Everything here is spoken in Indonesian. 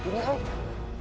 oh gitu ya